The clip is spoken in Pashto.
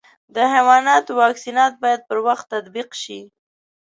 د حیواناتو واکسینات باید پر وخت تطبیق شي.